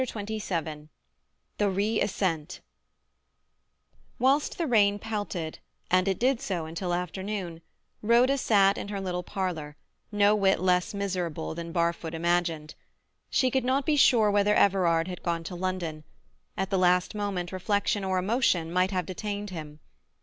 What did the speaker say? CHAPTER XXVII THE REASCENT Whilst the rain pelted, and it did so until afternoon, Rhoda sat in her little parlour, no whit less miserable than Barfoot imagined. She could not be sure whether Everard had gone to London; at the last moment reflection or emotion might have detained him.